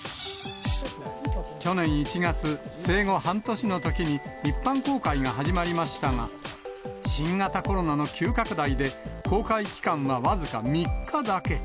去年１月、生後半年のときに、一般公開が始まりましたが、新型コロナの急拡大で公開期間は僅か３日だけ。